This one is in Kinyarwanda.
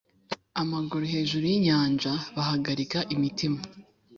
amaguru hejuru y’inyanja bahagarika imitima